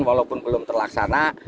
walaupun belum terlaksana